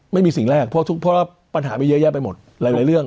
ไม่มีสิ่งแรกครับพอปัญหาเยอะไปหมดหลายหลายเรื่อง